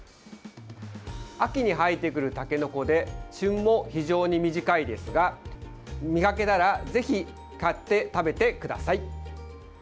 秋に生えてくるたけのこで旬も非常に短いですが見かけたらぜひ買って食べてください。